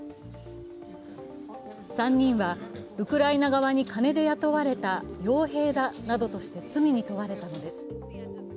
３人はウクライナ側に金で雇われたよう兵などとして罪に問われたのです。